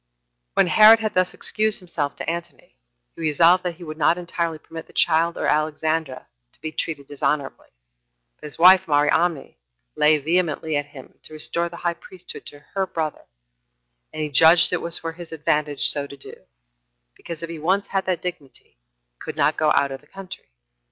7. When Herod had thus excused himself to Antony, he resolved that he would not entirely permit the child or Alexandra to be treated dishonorably; but his wife Mariamne lay vehemently at him to restore the high priesthood to her brother; and he judged it was for his advantage so to do, because if he once had that dignity, he could not go out of the country.